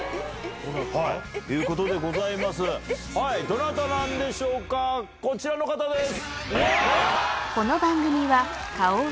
どなたなんでしょうかこちらの方です！